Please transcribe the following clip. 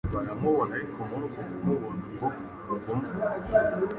baramuboha ariko muri uko kumuboha ngo hagwa umwe